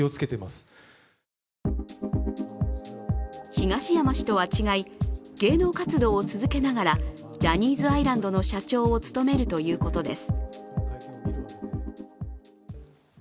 東山氏とは違い、芸能活動を続けながらジャニーズアイランドの社長を務めるということです。